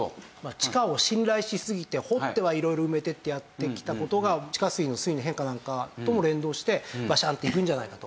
地下を信頼しすぎて掘っては色々埋めてってやってきた事が地下水の水位の変化なんかとも連動してバシャンっていくんじゃないかと。